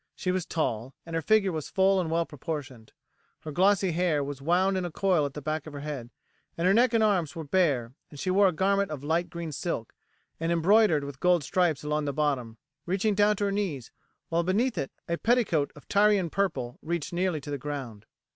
She was tall, and her figure was full and well proportioned. Her glossy hair was wound in a coil at the back of her head, her neck and arms were bare, and she wore a garment of light green silk, and embroidered with gold stripes along the bottom, reaching down to her knees, while beneath it a petticoat of Tyrian purple reached nearly to the ground.